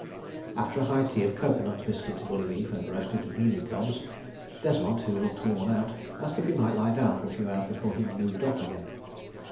... After a high tea of coco nut, biscuit, bully beef, and roasted mealie cobs, Desmont, who looked worn out, asked if he might lie down for a few hours before he "moved off" again.